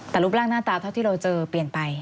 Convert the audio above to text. แต่รูปร่างหน้าตาเท่าที่เราเจอเปลี่ยนไป